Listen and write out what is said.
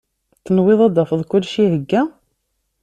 Tenwiḍ ad d-tafeḍ kullec ihegga?